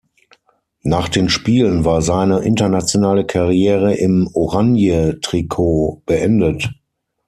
Nach den Spielen war seine internationale Karriere im "Oranje"-Trikot beendet.